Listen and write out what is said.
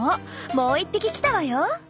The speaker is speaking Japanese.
もう一匹来たわよ。